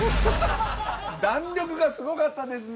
弾力がすごかったですね。